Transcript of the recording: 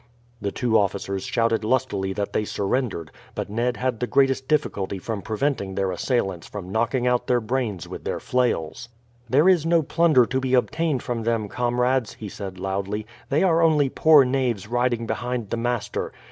The two officers shouted lustily that they surrendered, but Ned had the greatest difficulty from preventing their assailants from knocking out their brains with their flails. "There is no plunder to be obtained from them, comrades," he said loudly. "They are only poor knaves riding behind the master.